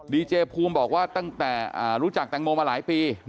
เจภูมิบอกว่าตั้งแต่รู้จักแตงโมมาหลายปี